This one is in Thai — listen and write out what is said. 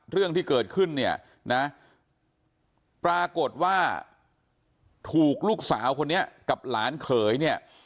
เรื่องที่เกิดขึ้นเนี่ยนะปรากฏว่าถูกลูกสาวคนนี้กับหลานเขยเนี่ย